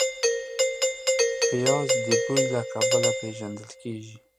پیاز د بوی له کبله پېژندل کېږي